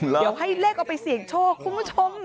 เดี๋ยวให้เลขเอาไปเสี่ยงโชคคุณผู้ชม